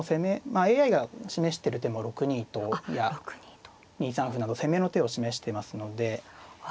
まあＡＩが示してる手も６二とや２三歩など攻めの手を示してますので。